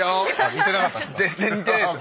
似てなかったですか？